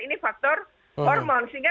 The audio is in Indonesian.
ini faktor hormon sehingga